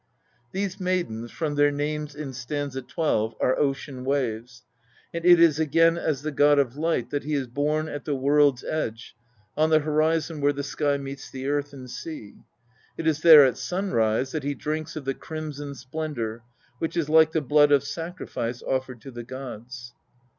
These maidens, from their names in st. 12, are ocean waves, and it is again as the god of light that he is born at the world's edge on the horizon where the sky meets the earth and sea. It is there at sunrise that he drinks of the crimson splendour which is like the blood of sacrifice offered to the gods.